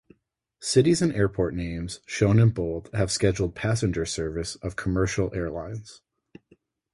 Cities and airport names shown in bold have scheduled passenger service of commercial airlines.